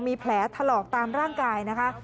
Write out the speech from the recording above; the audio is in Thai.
มีแผลถลอกตามร่างกายนะคะ